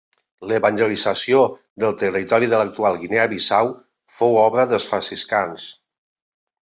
L'evangelització del territori de l'actual Guinea Bissau fou obra dels franciscans.